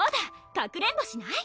かくれんぼしない？